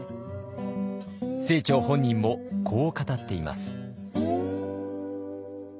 清張本人もこう語っています。